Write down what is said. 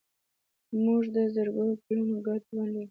موږ د زرګونو کلونو ګډ ژوند لرو.